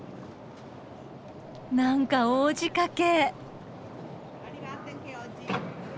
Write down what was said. なんか大仕掛け。